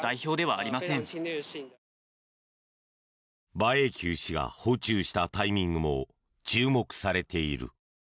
馬英九氏が訪中したタイミングも注目されている。